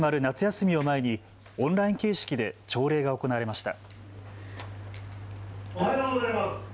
あすから始まる夏休みを前にオンライン形式で朝礼が行われました。